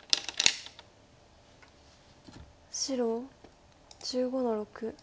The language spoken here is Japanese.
白１５の六。